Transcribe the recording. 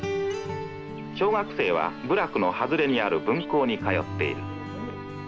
「小学生は部落のはずれにある分校に通っている」。